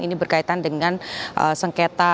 ini berkaitan dengan sengketa